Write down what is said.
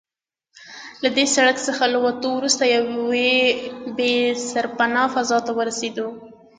له دې سړک څخه له وتو وروسته یوې بې سرپنا فضا ته راووتو.